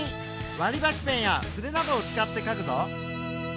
わりばしペンや筆などを使ってかくぞ。